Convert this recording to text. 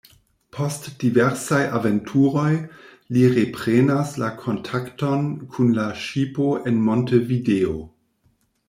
Post diversaj aventuroj, li reprenas la kontakton kun la ŝipo en Montevideo.